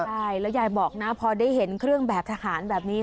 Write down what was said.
ใช่แล้วยายบอกนะพอได้เห็นเครื่องแบบทหารแบบนี้